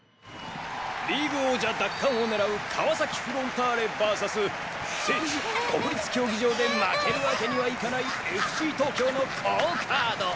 リーグ王者奪還を狙う川崎フロンターレＶＳ聖地国立競技場で負けるワケにはいかないＦＣ東京の好カード！